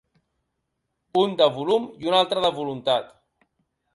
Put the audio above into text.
Un, de volum, i un altre, de voluntat.